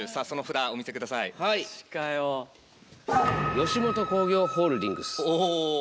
吉本興業ホールディングス。